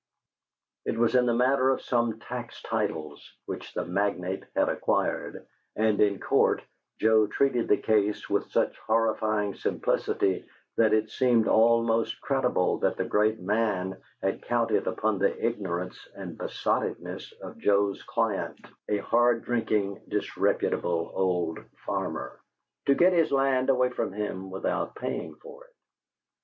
It was in the matter of some tax titles which the magnate had acquired, and, in court, Joe treated the case with such horrifying simplicity that it seemed almost credible that the great man had counted upon the ignorance and besottedness of Joe's client a hard drinking, disreputable old farmer to get his land away from him without paying for it.